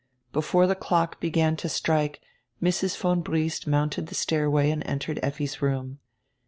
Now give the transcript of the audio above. Before the clock began to strike Mrs. von Briest mounted the stairway and entered Lffi's room.